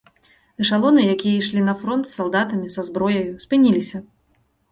Эшалоны, якія ішлі на фронт з салдатамі, са зброяю, спыніліся.